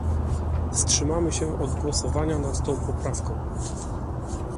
Wstrzymamy się od głosowania nad tą poprawką